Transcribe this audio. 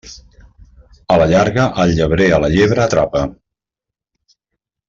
A la llarga, el llebrer a la llebre atrapa.